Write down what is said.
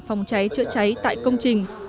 phòng cháy chữa cháy tại công trình